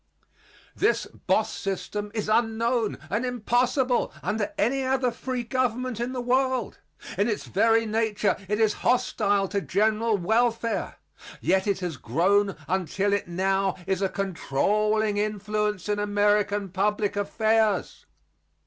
This boss system is unknown and impossible under any other free government in the world. In its very nature it is hostile to general welfare. Yet it has grown until it now is a controlling influence in American public affairs.